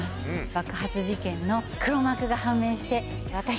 爆発事件の黒幕が判明して私たち